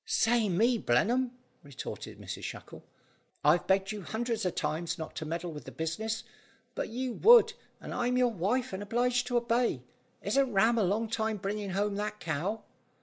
"Say me, Blenheim," retorted Mrs Shackle. "I've begged you hundreds of times not to meddle with the business, but you would, and I'm your wife and obliged to obey. Isn't Ram a long time bringing home that cow?"